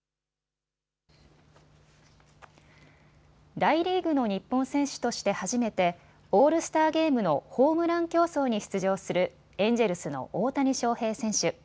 大リーグの日本選手として初めてオールスターゲームのホームラン競争に出場するエンジェルスの大谷翔平選手。